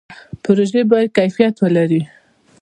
پروژې باید کیفیت ولري